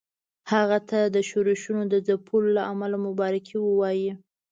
هغه ته د ښورښونو د ځپلو له امله مبارکي ووايي.